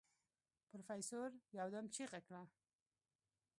پروفيسر يودم چيغه کړه.